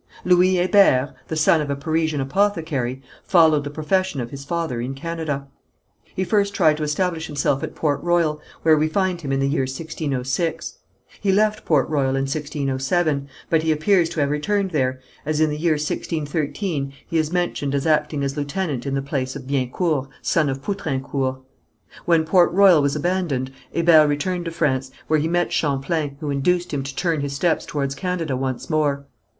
Louis Hébert, the son of a Parisian apothecary, followed the profession of his father in Canada. He first tried to establish himself at Port Royal, where we find him in the year 1606. He left Port Royal in 1607, but he appears to have returned there, as in the year 1613 he is mentioned as acting as lieutenant in the place of Biencourt, son of Poutrincourt. When Port Royal was abandoned, Hébert returned to France, where he met Champlain, who induced him to turn his steps towards Canada once more.